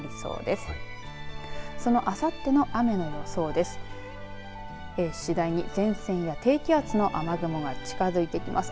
そのあさっての雨の予想です。